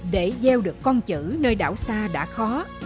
để gieo được con chữ nơi đảo xa đã khó